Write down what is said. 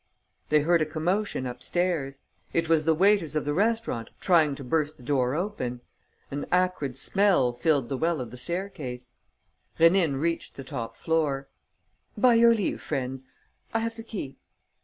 They heard a commotion upstairs. It was the waiters of the restaurant trying to burst the door open. An acrid smell filled the well of the stair case. Rénine reached the top floor: "By your leave, friends. I have the key."